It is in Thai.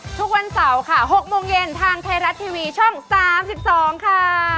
ทุกวันเสาร์ค่ะ๖โมงเย็นทางไทยรัฐทีวีช่อง๓๒ค่ะ